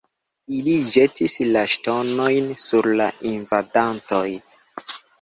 Ili ĵetis la ŝtonojn sur la invadantoj.